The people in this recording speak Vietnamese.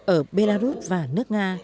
ở belarus và nước nga